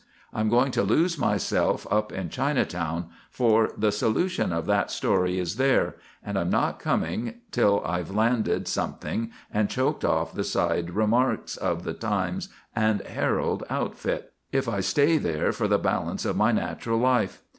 I'm going to lose myself up in Chinatown, for the solution of that story is there, and I'm not coming until I've landed something and choked off the side remarks of the Times and Herald outfit, if I stay there for the balance of my natural life.